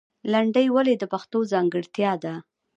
لندۍ ولې د پښتو ځانګړتیا ده؟